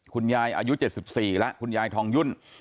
คุณยายอายุ๗๔แล้วคุณยายทองยุ่น